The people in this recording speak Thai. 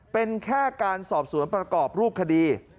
เป็นแค่การสอบสวนประกอบรูปคดี